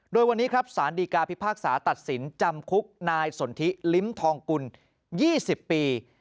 โดยวันนี้ครับสารดีกาพิพากษาตัดสินจำคุกนายสนทิลิ้มทองกุล๒๐ปี